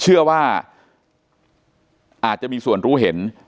เชื่อว่าอาจจะมีส่วนรู้เห็น